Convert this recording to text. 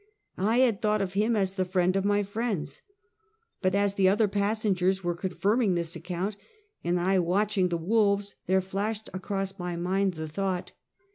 I had thought of him. as the friend of my friends ; but as the other passengers were confirm ing this account and I watching the wolves, there flashed across my mind the thought: 170 Half a Centuet.